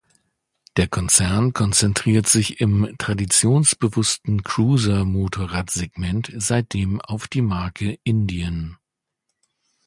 Der Konzern konzentriert sich im traditionsbewussten Cruiser-Motorrad-Segment seitdem auf die Marke Indian.